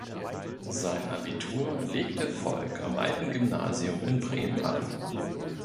Sein Abitur legte Volk am Alten Gymnasium in Bremen ab.